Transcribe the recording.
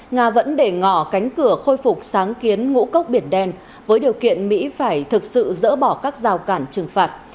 nga vẫn để ngỏ cánh cửa khôi phục sáng kiến ngũ cốc biển đen với điều kiện mỹ phải thực sự dỡ bỏ các rào cản trừng phạt